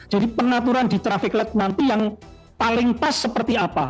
jadi pengaturan di traffic light nanti yang paling pas seperti apa